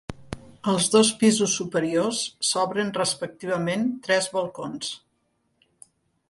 Als dos pisos superiors s'obren respectivament tres balcons.